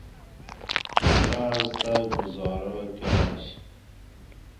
تاۤس دہ گزارہ کرنش